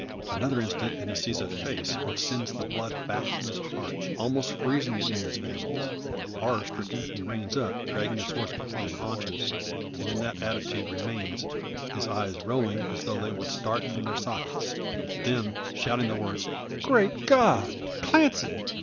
Another instant and he sees a face, which sends the blood back to his heart, almost freezing it in his veins. Horror stricken he reins up, dragging his horse upon the haunches; and in this attitude remains, his eyes rolling as though they would start from their sockets. Then, shouting the words, "Great God, Clancy!"